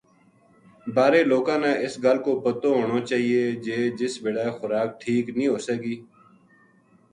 بارے لوکاں نا اس گل کو پتو ہونو چاہیے جے جس بِلے خوراک ٹھیک نیہہ ہوسے گی